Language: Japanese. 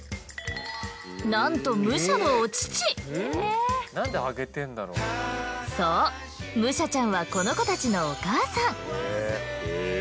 なんとそうムシャちゃんはこの子たちのお母さん。